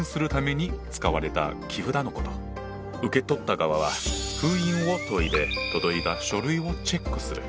受け取った側は封印を解いて届いた書類をチェックする。